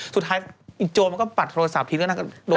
สุดท้ายอีกโจรมันก็ปัดโทรศัพท์ที่เรื่องนั้นก็โดนมากออก